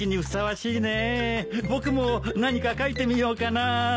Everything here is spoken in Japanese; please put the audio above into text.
僕も何か描いてみようかな。